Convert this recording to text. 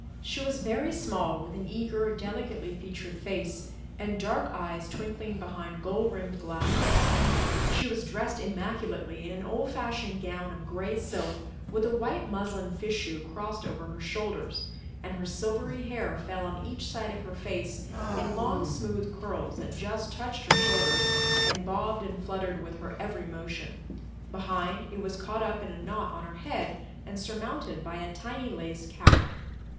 She was very small, with an eager, delicately featured face and dark eyes twinkling behind gold rimmed glasses. She was dressed immaculately in an old fashioned gown of grey silk with a white muslin fichu crossed over her shoulders, and her silvery hair fell on each side of her face in long, smooth curls that just touched her shoulders and bobbed and fluttered with her every motion; behind, it was caught up in a knot on her head and surmounted by a tiny lace cap.